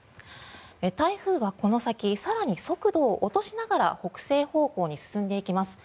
台風はこの先更に速度を落としながら北西方向に進んでいきます。